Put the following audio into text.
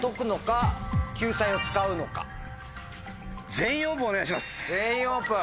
「全員オープン」